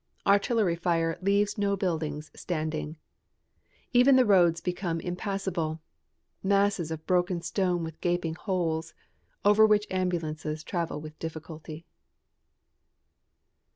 Artillery fire leaves no buildings standing. Even the roads become impassable, masses of broken stone with gaping holes, over which ambulances travel with difficulty.